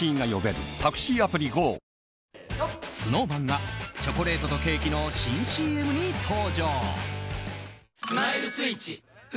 ＳｎｏｗＭａｎがチョコレートとケーキの新ＣＭに登場。